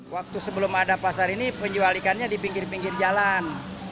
waktu sebelum ada pasar ini penjual ikannya di pinggir pinggir jalan